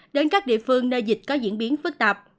đến các địa phương nơi dịch có diễn biến phức tạp